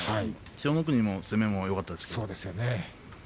千代の国の攻めもよかったですね。